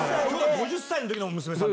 ５０歳の時の娘さん？